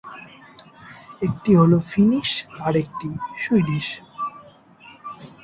একটি হল ফিনিশ, আরেকটি সুইডিশ।